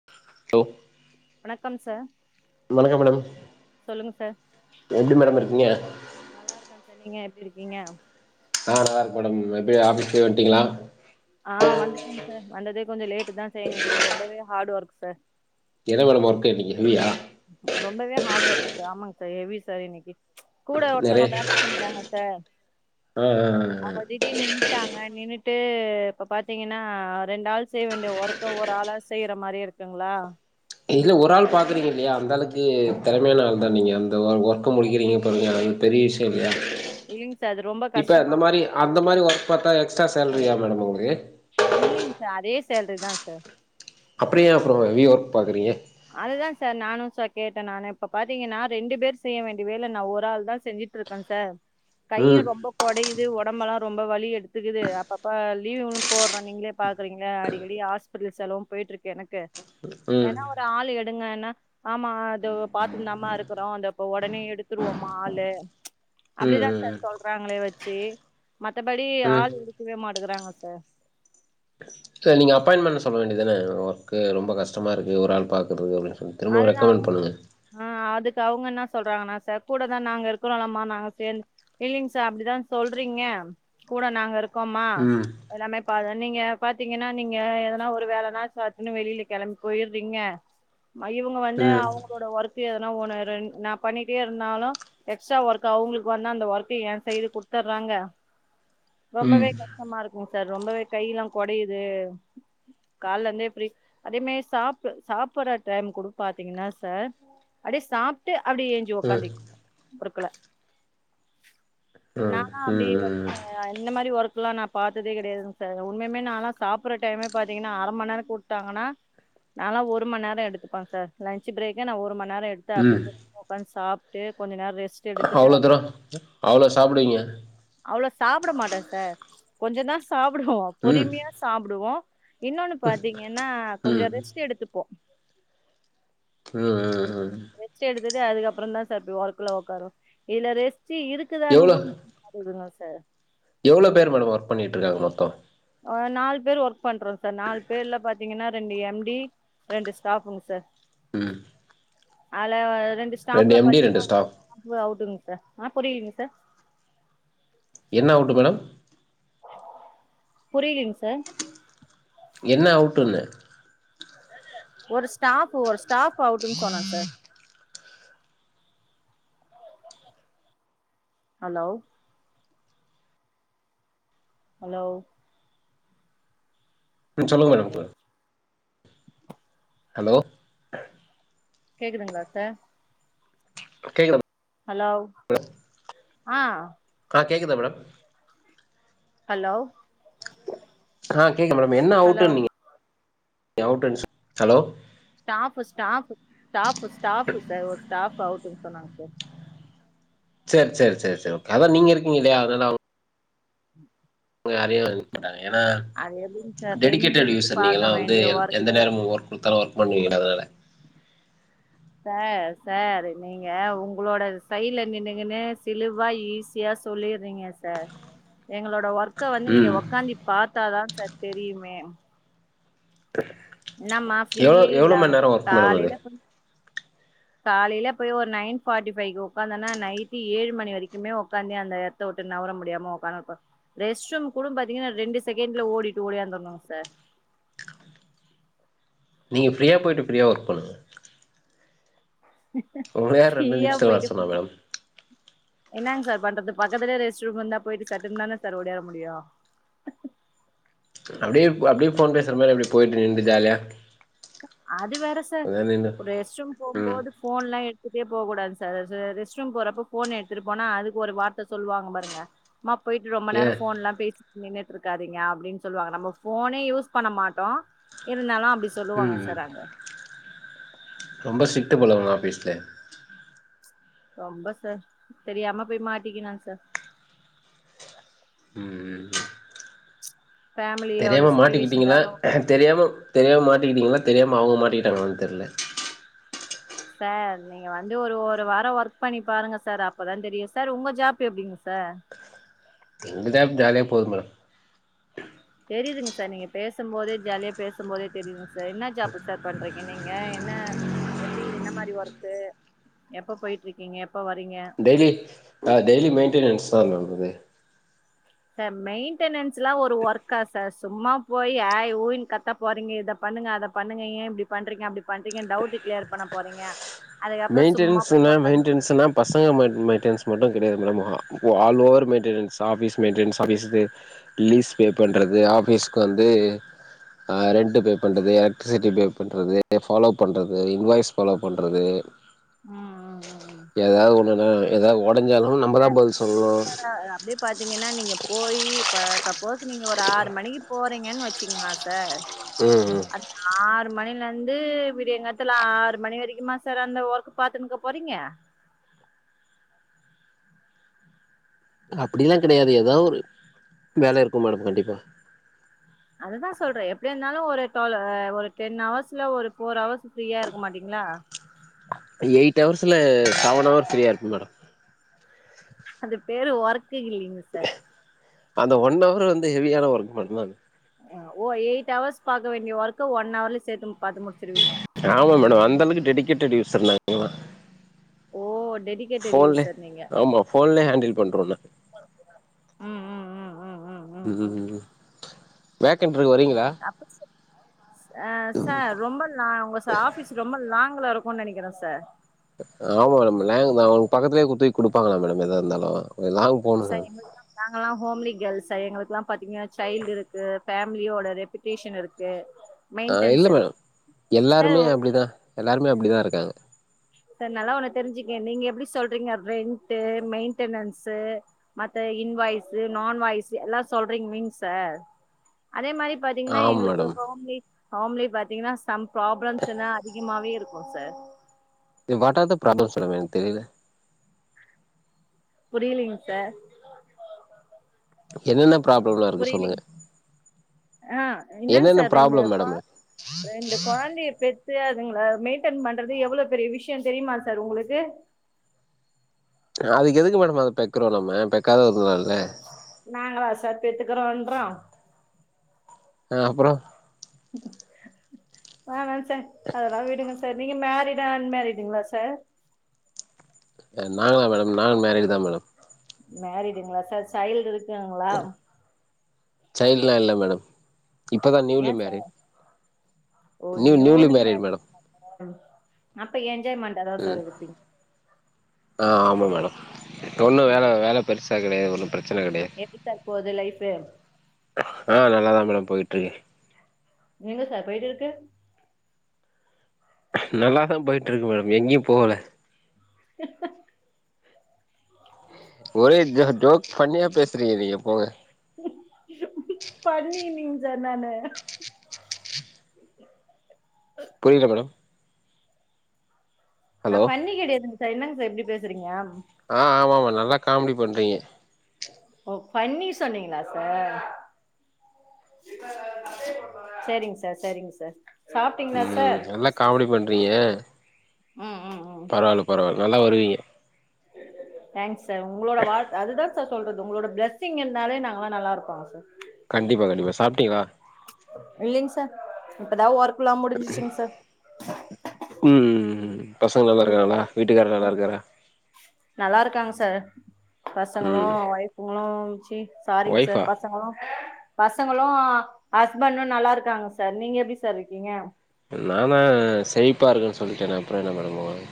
[unintelligible] வணக்கம் சார் வணக்கம் மேடம் சொல்லுங்க சார் எப்டி மேடம் இருக்கீங்க நல்லா இருக்கா சார் நீங்க எப்படி இருக்கீங்க நா நல்லா இருக்கே மேடம் எப்யே ஆபீஸ்கே வந்துடீங்களா ஆ வந்துட்டே சார் வந்ததே கொஞ்சோ லேட்டு தா சார் இன்னைக்கு ரொம்பவே ஹாட் ஒர்க் சார் என்ன மேடம் ஒர்க்கு இன்னிக்கு இல்லியா ரொம்பவே ஹார்ட் ஒர்க் சார் ஆமாங்க சார் ஹெவி சார் இன்னிக்கு கூட ஒருத்தங்க நெறைய வேல செஞ்சாங்க சார் ஆ ஆ ஆ அவங்க திடீர்னு நின்டாங்க நின்னுட்டு இப்போ பாத்தீங்கன்னா ரெண்டு ஆள் செய்ய வேண்டிய ஒர்க் இப்ப ஒரு ஆளா செய்யற மாரி இருக்குங்களா இல்ல ஒரு ஆள் பாக்குறீங்கல்லையா அந்த ஆளுக்கு திறமையான ஆள் தா நீங்க அந்த ஒர்க் க்கு முடிக்கிறீங்க பாருங்க அது பெரிய விஷய இல்லயா இல்லைங்க சார் அது ரொம்ப இப்ப அந்த கஷ்டமா மாரி அந்த மாரி ஒர்க் பாத்தா எக்ஸ்ட்ரா சேலரியா மேடம் உங்களுக்கு இல்லைங்க சார் அதே சேலரிதா சார் அப்பறோ ஏன் ப்ரோ ஹெவி யா ஒர்க் பாக்குறீங்க அதுதா சார் நானு சார் கேட்டே நானு இப்ப பாத்தீங்கன்னா ரெண்டு பேரு செய்ய வேண்டிய வேலை நா ஒரு ஆள் தா செஞ்சுட்டு ருக்கம் சார் ம் கையும் ரொம்ப கொடையுது உடம்பெல்லா ரொம்ப வலி எடுத்துக்குது அப்பப்ப லீவும் போறோ நீங்களே பாக்குறீங்களே அடிக்கடி ஆஸ் இப்படி ஒரு செலவும் போய்ட்டு இருக்கு எனக்கு உம் உம் தா ஆள் எடுங்க ன்னா ஆமா அதோ பாத்துன்தாமா இருக்கிறோ அந்த இப்ப உடனே எடுத்துருவோம்மா ஆளு ம் அப்படிதா ம் சார் சொல்றாங்களே வச்சு மத்தபடி ம் ஆளு எடுக்கவே மட்டிங்கறாங்க சார் செரி நீங்க அப்பாயின்ட் பண்ண சொல்ல வேண்டியதான ஒர்க்கு ரொம்ப கஷ்டமா இருக்கு ஒரு ஆள் பாக்குறதுகு அப்டின்னு சொல்லி திரும்ப அது தாவு ரெக்கமெண்ட் பண்ணுங்க ஆ அதுக்கு அவங்கன்னா சொல்றாங்க நா சார் கூட தா நாங்க இருக்கோலமா நாங்க சேந்து இல்லிங்க சார் அப்டிதா சொல்றீங்க கூட நாங்க இருக்கோமா ம் எல்லாமே பாதா நீங்க பாத்தீங்கன்னா நீங்க எதனா ஒரு வேலை நா சட்டுனு வெளியில கிளம்பி போயிறீங்க பையருங்க வந்து ம் அவங்களோட ஒர்க்கு எதனா ஒண்ணு ரே பண்ணிட்டே இருந்தாலு எக்ஸ்ட்ரா ஒர்க் அவங்களுக்கு வந்தா அந்த ஒர்க்க ஏ சைடு கொடுத்தர்றாங்க ம் ம் ரொம்பவே கஷ்டமா இருக்குங்க சார் ரொம்பவே கையெல்லா கொடையுது கல்லந்தே பிரீ அதே மே சாப்ப சாப்பற டைம் குடு பாத்தீங்கன்னா சார் அப்டியே சாப்டு அப்டி ஏஞ்சி ம் உக்காந்தி பொறுக்கல நானா அப்டி ம் ம் ஒச்சேன் இந்தந்த மாரி ஒர்கக்கலா நா பாத்ததே கிடையாதுங்க சார் உண்மையுமே நாலா சாப்படுற டைமே பாத்தீங்கன்னா அரை மணி நேரம் கொடுத்தாங்கன்னா நாளா ஒரு மணி நெர எடுத் இருப்ப சார் லன்ச் பிரேக்கே நா ஒரு மணி நேரம் எடுத்து அப்டே ம் உக்காந்து சாப்டு கொஞ்ச நேரம் ரெஸ்ட் எடுத்துட்டு அவ்ளோ தூர அவ்ளோ சாப்டுவீங்க அவ்ளோ சாப்ட மாட்டே சார் கொஞ்சதா சாப்டுவோ ம் ம் பொறுமியா சாப்டுவோ இன்னொன்னு பாத்திங்கன்னா கொஞ்சோ ம் ம் ரெஸ்ட் எடுத்துப்போ அ அ அ ரெஸ்ட் எடுத்துட்டு அதுக்க அப்றோ தா சார் ஒர்க்குல ஒக்காருவோ இதுல ரெஸ்ட் இருக்குதானு எவ்ளோ கூட தெரில சார் எவ்ளோ பேர் மேடம் ஒர்க் பண்ணிட்டுருாங்க மொத்தோ ஒரு நாலு பேர் ஒர்க் பண்றோ சார் நாலு பேர்ல பாத்திங்கன்னா ரெண்டு எம் டி ரெண்டு ஸ்டாஃப்புங்க சார் ம் அதேல ரெண்டு ஸ்டாப்ல எம் டி பாத்திங்கன்னா ரெண்டு ஒரு ஸ்டாஃப் ஸ்டாஃப்பு அவுட்டுங்க சார் அ புரிலீங்க சார் என்ன அவுட்டு மேடம் புரிலீங் சார் என்ன அவுட்டுன்னு ஒரு ஸ்டாஃப் ஒரு ஸ்டாஃப் அவுட்டுன்னு சொன்ன சார் ஹலோ ஹலோ சொல்லுங்க மேடம் இப்ப ஹலோ கேக்குதுங்ளா சார் கேக்குது ஹலோ ஆ ஆ கேக்குதா மேடம் ஹலோ ஆ கேக்குது மேடம் என்ன ஹலோ அவுடுன்னீங்க [unintelligible] அவுட்டுனு சொன் hello staff staff staff staff sir ஒரு ஸ்டாஃப் அவுட்டுனு சொன்னாங்க சார் செர் செர் செர் சேரி ஓகே அதா நீங்க இருக்கீங்கல்லையா அதனால யாரையு இது பண்ணாதிங்க ஏன்னா அது எப்டிங்க சார் ரெண்டு டெடிகேட்டட் பேர் யூசர் நீங்க பாக்க எல்லா வந்து வேண்டிய ஒர்க் எந்த நேரமு ஒர்க் குடுத்தாலு ஒர்க் பண்ணுவீங்க தான சார் சார் நீங்க உங்ளோட சைட்ல நின்னுகுன்னு திலுவா ஈஸியா சொல்லிட்றீங்க சார் எங்களோட ஒர்க் க வந்து நீங்க ம் ஒக்காந்தி பாத்தாதா சார் தெரியுமே என்னம்மா எவ்ளோ ஃப்ரீயே எவ்ளோ மண் இல்லாம நேரோ ஒர்க் மேடம் அது காலையில போய் காலையில போய் ஒரு நைன் ஃபாட்டி ஃபைவ்க்கு ஒக்காந்தனா நைட்டு ஏழு மணி வரைக்குமே ஒக்காந்தி அந்த எட்த்த விட்டு நவுர முடியாம ஒக்காந்ருக்கோ ரெஸ்ட் ரூம் கூட பாத்திங்கன்னா ரெண்டு செகண்ட்ல ஓடிட்டு ஓடியாந்ரணுங் சார் நீங்க ஃப்ரியா பொய்ட்டு ஃப்ரியா ஒர்க் பண்ணுங்க உங்கள யார் ரெண்டு ஃப்ரியா நிமிஷத்துல வர பொய்ட்டு சொன்னா ஃப்ரி மேடம் என்னாங் சார் பண்றது பக்கத்துலே ரெஸ்ட் ரூம் இருந்தா பொய்ட்டு சட்டுன்தானே சார் ஒடியாற முடியு அப்டியே அப்டியே ஃபோன் பேசுற மாரி அப்டியே பொய்ட்டு நின்ட்டு ஜாலியா அது வேற சார் கொஞ்ச நேரோ நின்னு ஒரு ரெஸ்ட்ரூம் ம் போம்போது ஃபோன் எல்லா எடுத்துட்டே போக்கூடாது சார் ரெஸ்ட்ரூம் போறப்ப ஃபோன் எடுத்துட்டு போனா அதுக்கு ஒரு வார்த்த சொல்லுவாங்க பாருங்க சம்மா பொய்ட்டு ரொம்ப ஏ நேரோ ஃபோன்லா பேசி நின்னுட்ருக்காதீங்க அப்டின்னு சொல்லுவாங்க நம்ம ஃபோனே யூஸ் பண்ண மாட்டோ இருந்தாலு அப்டி சொல்லுவாங்க ம் சார் அங்க ரொம்ப ஸ்டிட்க்ட்டு போல உங்க ஆஃபீஸ்ஸூ ரொம்ப சார் தெரியாம போய் மாட்டிகினா சார் ம் ம் ஃபேமிலியோட தெரியாம மாட்டிக்கிட்டிங்களா சுச்சுவேஷனுக்காக தெரியாம தெரியாம மாட்டிக்கிட்டிங்களா தெரியாம அவங்க மாட்டிக்கிட்டாங்களான் தெர்ல சார் நீங்க வந்து ஒரு ஒரு வார ஒர்க் பண்ணி பாருங்க சார் அப்பதா தெரியு சார் உங்க ஜாப் எப்டிங் சார் எங்க ஜாப் ஜாலியா போது மேடம் தெரியுதுங்க சார் நீங்க பேசம் போதே ஜாலியா பேசம் போதே தெரியுதுங் சார் என்ன ஜாப்பு சார் பண்றிங்க நீங்க என்ன எப்டி என்ன மாரி ஒர்க்கு எப்ப போயிட்ருக்கிங்க எப்ப வரிங்க டெய்லி ஆ டெய்லி மெயின்டனன்ஸ்தா மேம் இது சார் மெயின்டெனன்ஸ்லா ஒரு ஒர்க்கா சார் சும்மா போய் ஏய் ஊய்ன் கத்த போறிங்க இத பண்ணுங்க அத பண்ணுங்க ஏ இப்படி பண்றிங்க அப்டி பண்றிங்கன் டவுட் கிளியர் பண்ண போறிங்க மெய்ன்ட்டெனன்ஸுங் மேம் மெய்ன்ட்டெனன்ஸ்னா பசங்க மெய்ன் மெயின்டனன்ஸ் மட்டு கெடையாது மேடம் ஆ ஓ all over maintenance office maintenance ஸ்டடீஸுக்கு லிஸ் பே பண்றது ஆஃபிஸ்க்கு வந்து அ ரெண்ட் பே பண்றது எலக்ட்ரிசிட்டி பே பண்றது ஃபாலோ பண்றது இன்வாய்ஸ் ஃபாலோ பண்றது ம் ம் ம் ம் எதாவொண்ணுனா எதா ஒ டஞ்சாலு நம் ச ப்ரச்னனா அப்டே பாத்திங்கன்னா நீங்க போயி இப்ப சப்போஸ் நீங்க ஒரு ஆறு மணிக்கு போறிங்கனு வெச்சிக்கிங்ளே சார் ம் ம் அந்த ஆறு மணில இருந்து விடியங்காத்தல ஆறு மணி வரைக்குமா சார் அந்த ஒர்க் பாத்துனுருக்க போறிங்க அப்படியெலா கெடையாது எதா ஒரு வேலை இருக்கு மேடம் கண்டிப்பா அததா சொல்ற எப்டியா இருந்தாலு ஒரு டுவல் ஒரு டென் ஹவர்ஸ்ல ஒரு ஃபோர் ஹவர்ஸ் ஃப்ரீயா இருக்க மாட்டிங்ளா எயிட் ஹவர்ஸ்ல செவன் ஹவர்ஸ் ஃப்ரீயா இருப்ப மேடம் அது பேரு ஒர்க்கு இல்லையேங் சார் அந்த ஒன் ஹவர் வந்து ஹெவியான ஒர்க் பண்ணா ஓ எயிட் ஹவர்ஸ் பாக்க வேண்டிய ஒர்க்க ஒன் ஹவர்ல சேத்து பாத்து முடிச்சுருவிங்க ஆமா மேடம் அந்த அளவுக்கு டெடிகேட்டட் யூசர் நாங்கல்லா ஓ டெடி ஃபோன்லே ஆமா ஃபோன்லே ஹேண்டில் பண்றோ உன்ன ம் ம் ம் ம் ம் ம் ம் வேகண்ட் இருக்கு வரிங்களா [inaudible] ஆ சார் ரொம்ப லா உங்க ச ஆஃபீஸ் ரொம்ப லாங்க்ல இருக்குன் நெனைக்கிற சார் ஆமா மேடம் லேங்தா உங்க பக்கத்திலயே குத்தகக்கி குடுப்பாங்களா மேடம் எதா இருந்தாலு கொஞ்ச லாங் போணு சார் மேடம் எங்களுதெல்லா நாங்களா ஹோம்லி கேர்ள் சார் எங்களுக்குல்லா பாத்திங்கனா சைல்டு இருக்கு ஃபேமிலியோட ரெபிட்டேஷன் இருக்கு ஆ இல்ல மெயின்டன்ஸ் இருக்கு மேடம் சார் எல்லாருமே அப்படிதா எல்லாருமே அப்படிதா இருக்காங்க சார் நல்லா ஒன்னு தெரிஞ்சுக்குங்க நீங்க எப்படி சொல்றிங்க ரென்ட்டு மெயின்டெனன்ஸு மத்த இன் வாய்ஸு நான் வாய்ஸு எல்லா சொல்றிங்கில்லிங் சார் அதே மாரி பாத்திங்னா ஆமா எங்களுக்கு மேடம் ஹோம்லி ஹோம்லே பாத்திங்னா சம் ப்ராப்ளம்ஸ் எல்லா அதிகமாவே இருக் கு sir what are the problem சொல்லுங்க எனக்கு தெரில புரியலிங் சார் என்னென்ன ப்ராப்ளம்லா இருக்கு சொல்லுங்க புரியலிங் ஆ என்னங்க என்னென்ன சார் ரெண்டு ப்ராப்ளம் கொ மேடம் இருக்கு ரெண்டு கொழந்தைய பெத்து அதுங்கள மெயின்டெய்ன் பண்றது எவ்ளோ பெரிய விஷ்யோ தெரியுமா சார் உங்களுக்கு அதுக்கு எதுக்கு மேட அத பெக்குறோ நம்ம பெக்காத இருக்கலால்ல நாங்களா சார் பெத்துக்கறோன்றோ ஆ அப்பற வேனா சார் அதெல்லா விடுங்க சார் நீங்க மேரிடா அன்மேரிடுங்களா சார் நாங்களா மேடம் நானும் மேரிட் தா மேடம் மேரிடுங்களா சார் சைல்டு இருக்காங்களா சைல்டுலா இல்ல மேடம் இப்பதா ஏ நியூலி சார் மேரிட் ஓ நியூலி மேரிட் அப்ப என்ஜாய்மன் ம் ஆ ஆமா மேடம் ஒன்னு வேல ம் வேல பெருசா கெடையாது ஒன்னு பிரச்சன கெடையா எப்டி சார் போது லைஃபு ஆ நல்லாதா மேடம் போயிட்டு இருக்கு எங்க சார் போயிட்டு இருக்கு நல்லா தா போய்ட்ருக்கு மேட எங்கேயு போகல ஒரே ஜோக் ஃபன்னியா பேசுறீங்க நீங்க போங்க பன்னி நீங் சார் நானு புரியல மேடம் நா ஹலோ பன்னி கெடையாதுங் சார் என்னங்க சார் இப்டி பேசுறீங்க ஆ ஆமா ஆமா நல்லா காமெடி பண்றீங்க ஓ ஃபன்னி சொன்னீங்களா sir sharing sir sharing sir சாப்ட்டீங்களா ம் சார் நல்லா காமெடி பண்றீங்க ம் ம் பரவாயில்ல பரவால்ல நல்லா வருவீங்க தேங்க்ஸ் சார் உங்களோட வாழ்த் அதுதா சார் சொல்றது உங்களோட பிளஸ்ஸிங் இருந்தாலே நாங்கல்லா நல்லாருப்போ சார் கண்டிப்பா கண்டிப்பா சாப்டிங்களா இல்லீங் சார் இப்பதா ஒர்க்கல்லா முடிஞ்சிச்சுங் சார் உம் ம் ம் பசங்க நல்லா இனிமேதா இருக்காங்கலா வீட்டுக்காரு நல்லா இருக்காரா நல்லா இருக்காங்க சார் பசங்களு ம் வொய்ப்புங்களு சீ சாரிங் ஒய்ஃபா சார் பச பசங்களு ஹஸ்பண்டு நல்லா இருக்காங்க சார் நீங்க எப்டி சார் இருக்கீங்க நானா செழிப்பாருக்கென்னு சொல்லிட்டேனே அப்புற என்ன மேடம் உங்களுக்கு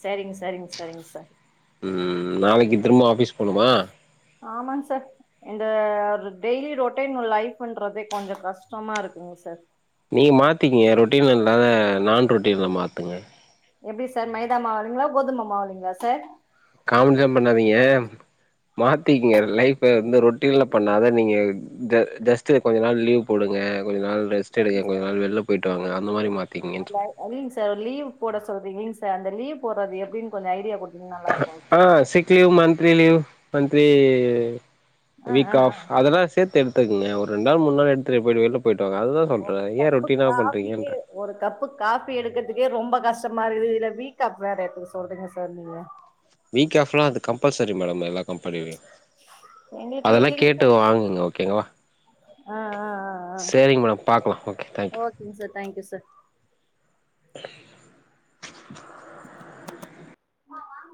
சரிங் சரிங் சரிங் சார் ம் நாளைக்கு திரும்ப ஆஃபீஸ் போகனுமா ஆமாங் சார் இந்த ஒரு டெய்லி ரொட்டைன் லைஃப்புன்றதே கொஞ்ச கஷ்டமா இருக்குங்க சார் நீங்க மாத்திக்கிங்க ரொட்டின் இல்லாத நான் ரொட்டினா மாத்துங்க எப்டி சார் மைதா மாவலிங்களா கோதுமை மாவல்லிங்களா சார் காமெடி எல்லா பண்ணாதீங்க மாத்திங்க லைஃப் வந்து ரொட்டீன்ல பண்ணாத நீங்க இந்த டஸ்ட் கொஞ்ச நாள் லீவ் போடுங்க கொஞ்ச நாள் ரெஸ்ட் செரி எப்டி எங்க சார் நாள் வெள்ள போயிட்டு வாங்க அந்த மாரி மாத்திங்கன்ற அந்த இல்லைங் சார் லிவு போட சொல்றீங்க சார் அந்த லீவ் போறது எப்டின் கொஞ்ச ஐடியா கொடு ஆ சிக்லீவ் மன்த்லி லீவ் மன்த்லி ஆ வீக் ஆ ஆ ஆஃப் அதெல்லா சேத்து எடுத்துக்கங்க ஒரு ரெண் நாள் மூன் நாள் எடுத்துட் போய்டு வெள்ள போயிட்டுவாங்க அதுதா சொல்ற ஒரு ஏ கப்பு ரொட்டீனா காஃபியே பண்றீங்கன்ற ஒரு கப்பு காஃபி எடுக்கிறதுக்கே ரொம்ப கஷ்டமா இருக்குது இதுல வீக் ஆப் வேற எதுக்க சொல்றீங்க சார் நீங்க வீக் ஆஃப்லா அது கம்பல்சரி மேடம் எல்லா கம்பெனியிலு எங்களுக்கு அதெல்லா இல்லைங்க கேட்டு சார் வாங்குங்க ஓகேங்களா ஆ ஆ ஆ ஆ சேரிங் மேடம் பாக்கலா ஓகே தேங்க் ஓகேங்க சார் தேங்க் யூ சார் ம் என்னவா